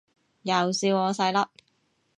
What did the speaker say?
又笑我細粒